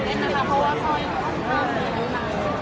เพราะว่าเขาอยู่ประหลาดนานนาน